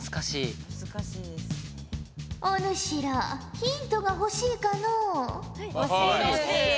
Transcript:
お主らヒントが欲しいかのう？え？